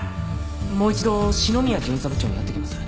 もう一度篠宮巡査部長に会ってきます。